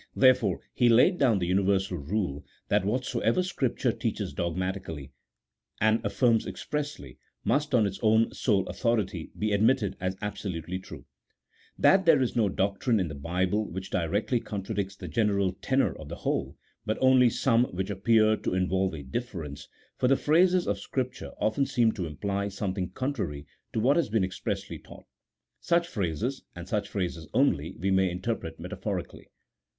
Therefore he laid down the universal rule, that whatsoever Scripture teaches dogmatically, and affirms expressly, must on its ■own sole authority be admitted as absolutely true: th&t there is no doctrine in the Bible which directly contradicts the general tenour of the whole: but only some which appear to involve a difference, for the phrases of Scripture often seem to imply something contrary to what has been .expressly taught. Such phrases, and such phrases only, we may interpret metaphorically.